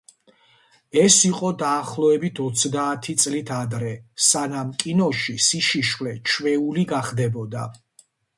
ეს იყო დაახლოებით ოცდაათი წლით ადრე, სანამ კინოში სიშიშვლე ჩვეული გახდებოდა.